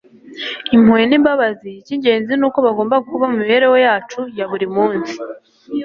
impuhwe n'imbabazi icy'ingenzi ni uko bagomba kuba mu mibereho yacu ya buri munsi